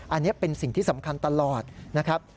อันนี้เป็นสิ่งที่สำคัญตลอดนะครับ